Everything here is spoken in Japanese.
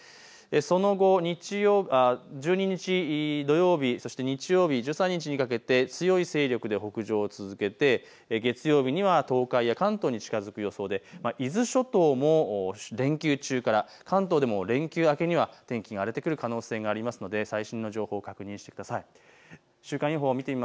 その後、１２日土曜日、そして日曜日１３日にかけて強い勢力で北上を続けて月曜日には東海や関東に近づく予想で伊豆諸島も連休中から関東でも連休明けには天気が荒れてくる可能性がありますので最新の情報を確認してください。